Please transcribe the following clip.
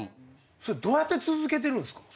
それどうやって続けてるんですか？